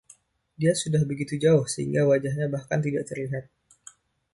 Dia sudah begitu jauh sehingga wajahnya bahkan tidak terlihat.